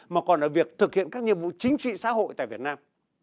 mà còn là việc thực hiện các nhiệm vụ chính trị xã hội tại việt nam